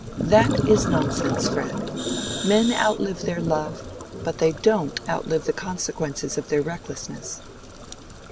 "That is nonsense, Fred. Men outlive their love, but they don't outlive the consequences of their recklessness."